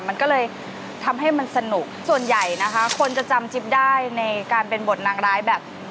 มันก็เลยทำให้มันสนุกส่วนใหญ่นะคะคนจะจำจิ๊บได้ในการเป็นบทนางร้ายแบบ